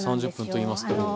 ２０３０分といいますと。